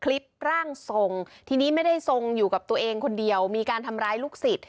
คลิปร่างทรงทีนี้ไม่ได้ทรงอยู่กับตัวเองคนเดียวมีการทำร้ายลูกศิษย์